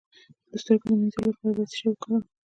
د سترګو د مینځلو لپاره باید څه شی وکاروم؟